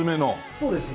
そうですね。